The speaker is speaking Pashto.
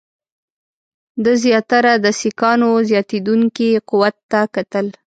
ده زیاتره د سیکهانو زیاتېدونکي قوت ته کتل.